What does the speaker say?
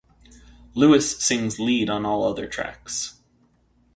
Lewis sings lead on all other tracks.